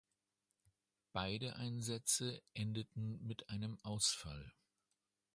Beide Einsätze endeten mit einem Ausfall.